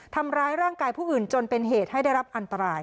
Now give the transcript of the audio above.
ทำร้ายร่างกายผู้อื่นจนเป็นเหตุให้ได้รับอันตราย